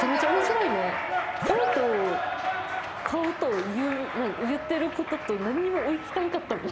手と顔と言ってることと何にも追いつかんかったもん。